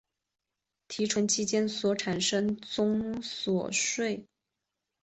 提存期间所产生之综所税亦由宋楚瑜缴纳。